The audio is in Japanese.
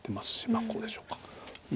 まあこうでしょうか。